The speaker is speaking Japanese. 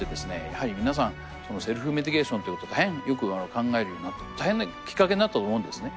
やはり皆さんセルフメディケーションという事を大変よく考えるようになって大変なきっかけになったと思うんですね。